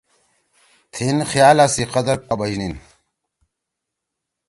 تھیِن خیال ا سی قدر کوا بشنیِن ۔